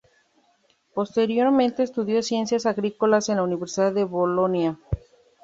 Posteriormente estudió ciencias agrícolas en la Universidad de Bolonia.